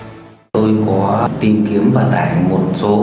tôi có tìm kiếm và tải một số